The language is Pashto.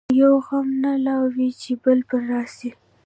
یو غم نه لا نه وي چي بل پر راسي